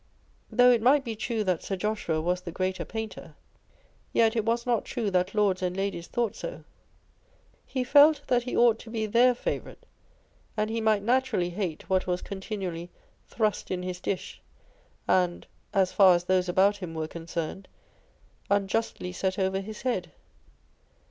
Though it might be true that Sir Joshua was the greater painter, yet it was not true that Lords and Ladies thought so : he felt that he ought to be their favourite, and he might naturally hate what was con tinually thrust in his dish, and (as far as those about him were concerned) unjustly set over his head.